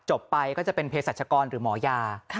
ไปก็จะเป็นเพศรัชกรหรือหมอยา